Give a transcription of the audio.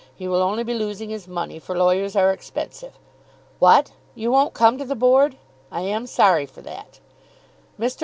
He will only be losing his money, for lawyers are expensive. What; you won't come to the Board? I am sorry for that." Mr.